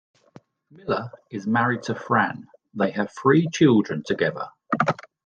Miller is married to Fran, they have three children together.